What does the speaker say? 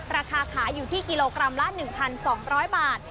ราคาขายอยู่ที่กิโลกรัมละ๑๒๐๐บาท